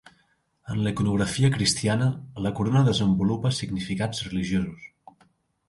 En la iconografia cristiana, la corona desenvolupa significats religiosos.